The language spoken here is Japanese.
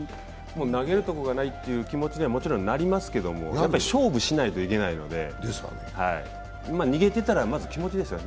投げるところがないという気持ちにはもちろんなりますけれども、勝負しないといけないので、逃げてたら、まず気持ちですよ。